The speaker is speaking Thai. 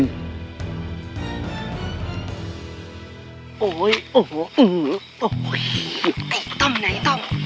ต้อยโอ้โฮไอ้ต้มน่ะไอ้ต้ม